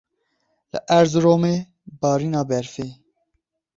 Li Erzeromê barîna berfê.